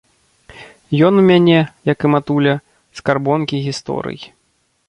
Ён у мяне, як і матуля, скарбонкі гісторый.